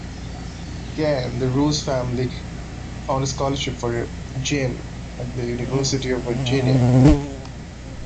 Again, the Rouse family found a scholarship for Jim at the University of Virginia.